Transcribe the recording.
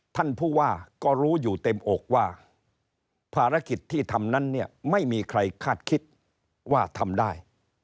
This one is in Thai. ท่านผู้ว่าก็รู้อยู่เต็มอกว่าภารกิจที่ทำนั้นเนี่ยไม่มีใครคาดคิดว่าทำได้